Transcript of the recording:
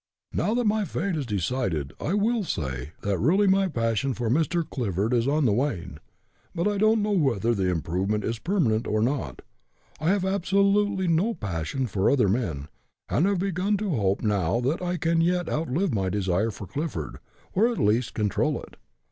Now that my fate is decided, I will say that really my passion for Mr. Clifford is on the wane, but I don't know whether the improvement is permanent or not. I have absolutely no passion for other men, and have begun to hope now that I can yet outlive my desire for Clifford, or at least control it.